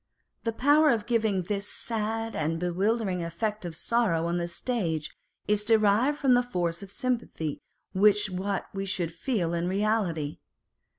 The power of giving this sad and bewildering effect of sorrow on the stage is derived from the force of sympathy with what we should feel in reality.